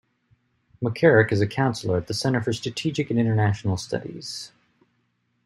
McCarrick is a counselor at the Center for Strategic and International Studies.